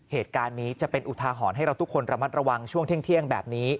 เหตุการณ์นี้จะเป็นอุทาหรณ์ให้เราทุกคนระมัดระวังช่วงเที่ยงแบบนี้